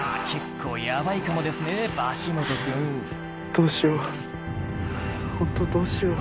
どうしようほんとどうしよう。